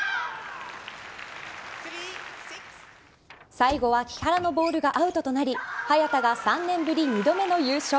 最後は木原のボールがアウトとなり早田が３年ぶり２度目の優勝。